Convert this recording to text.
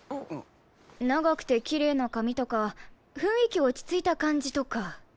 長くてきれいな髪とか雰囲気落ち着いた感じとか。